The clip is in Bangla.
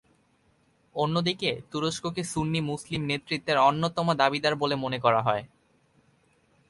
অন্যদিকে, তুরস্ককে সুন্নি মুসলিম নেতৃত্বের অন্যতম দাবিদার বলে মনে করা হয়।